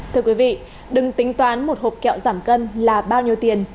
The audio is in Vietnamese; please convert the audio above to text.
thưa quý vị đừng tính toán một hộp kẹo giảm cân là bao nhiêu tiền